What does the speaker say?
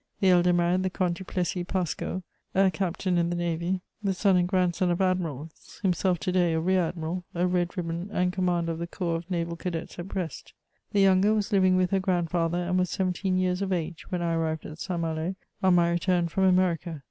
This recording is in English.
The elder married the Comte du Plessix Parscau, a captain in the Navy, the son and grandson of admirals, himself to day a rear admiral, a red ribbon and commander of the corps of naval cadets at Brest; the younger was living with her grandfather, and was seventeen years of age when I arrived at Saint Malo on my return from America.